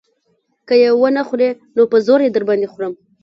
که يې ونه خورې نو په زور يې در باندې خورم.